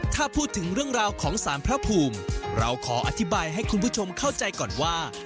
ถ้าพูดถึงเรื่องราวของสารพระภูมิเราขออธิบายให้คุณผู้ชมเข้าใจก่อนว่า